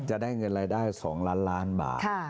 จะได้เงินรายได้๒ล้านล้านบาท